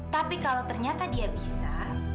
tapi kalau ternyata dia bisa